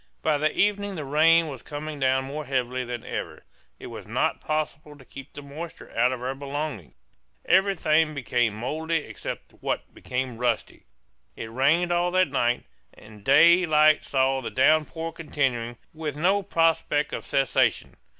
By the evening the rain was coming down more heavily than ever. It was not possible to keep the moisture out of our belongings; everything became mouldy except what became rusty. It rained all that night; and day light saw the downpour continuing with no prospect of cessation.